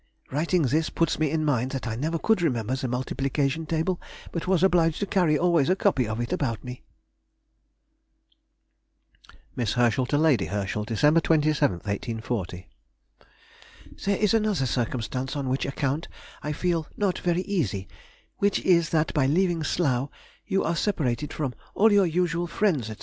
Writing this, puts me in mind that I never could remember the multiplication table, but was obliged to carry always a copy of it about me. [Sidenote: 1840. Christmas in Hanover.] MISS HERSCHEL TO LADY HERSCHEL. Dec. 27, 1840. ... There is another circumstance on which account I feel not very easy, which is that by leaving Slough you are separated from all your usual friends, &c.